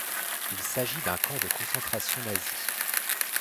Il s'agit d'un camp de concentration nazi.